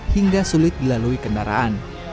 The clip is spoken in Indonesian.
hingga sulit dilalui kendaraan